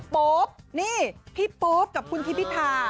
ป๊อบนี่พี่ป๊อบกับคุณทิมพิธา